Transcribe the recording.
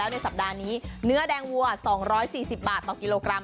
ในสัปดาห์นี้เนื้อแดงวัว๒๔๐บาทต่อกิโลกรัม